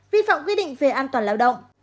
vi phạm quyết định về an toàn lao động